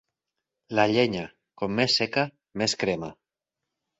La llenya, com més seca, més crema.